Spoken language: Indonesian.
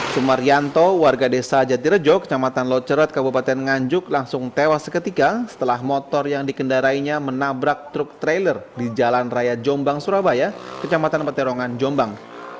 sumaryanto warga desa jatirejo kecamatan locerot kabupaten nganjuk langsung tewas seketika setelah motor yang dikendarainya menabrak truk trailer di jalan raya jombang surabaya kecamatan peterongan jombang